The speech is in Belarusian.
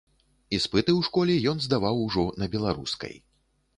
Іспыты ў школе ён здаваў ужо на беларускай.